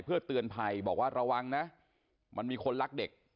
เพื่อเตือนภัยบอกว่าระวังนะมันมีคนรักเด็ก